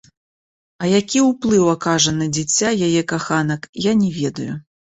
А які ўплыў акажа на дзіця яе каханак, я не ведаю.